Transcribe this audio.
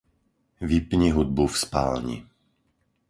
Vypni hudbu v spálni.